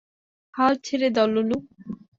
হাল ছেড়ে দাও, লুলু।